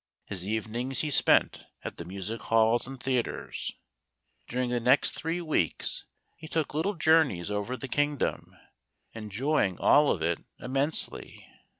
His evenings he spent at the music halls and theaters. During the next three weeks he took little journeys over the kingdom, en¬ joying all of it immensely.